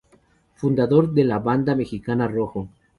Fundador de la Banda mexicana Rojo.